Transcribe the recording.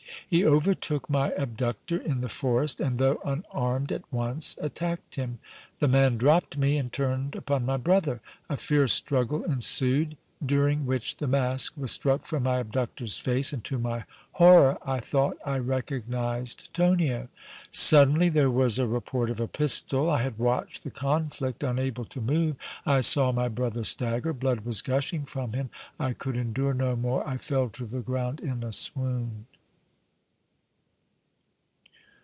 He overtook my abductor in the forest, and, though unarmed, at once attacked him. The man dropped me and turned upon my brother. A fierce struggle ensued, during which the mask was struck from my abductor's face and, to my horror, I thought I recognized Tonio. Suddenly there was a report of a pistol. I had watched the conflict, unable to move. I saw my brother stagger; blood was gushing from him. I could endure no more; I fell to the ground in a swoon.